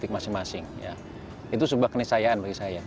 itu sebuah kenisayaan bagi saya